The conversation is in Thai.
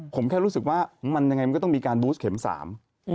ผมแค่รู้สึกว่ามันจะก็ต้องมีการบูธเข็ม๓